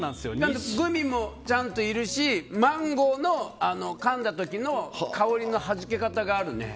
グミもちゃんといるしマンゴーのかんだ時の香りのはじけ方があるね。